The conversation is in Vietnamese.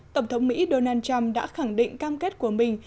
tổng thống mỹ donald trump đã khẳng định cam kết của mình